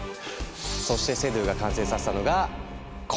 そしてセドゥが完成させたのがこのドローン。